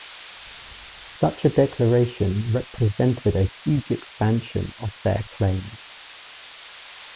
Such a declaration represented a huge expansion of their claims.